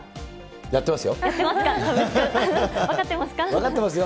やってますよ。